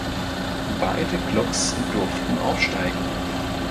Beide Klubs durften aufsteigen.